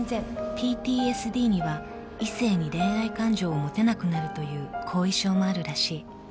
［ＰＴＳＤには異性に恋愛感情を持てなくなるという後遺症もあるらしい］